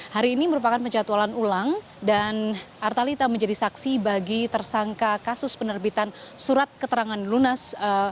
hari ini merupakan penjatualan ulang dan artalita menjadi saksi bagi tersangka kasus penerbitan surat keterangan lunas